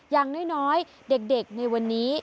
อย่างน้อยเด็กในวันนี้